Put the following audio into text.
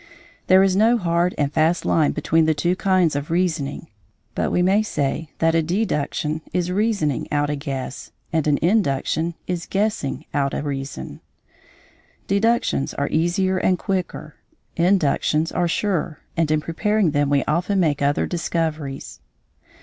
There is no hard and fast line between the two kinds of reasoning, but we may say that a deduction is reasoning out a guess and an induction is guessing out a reason. Deductions are easier and quicker; inductions are surer, and in preparing them we often make other discoveries.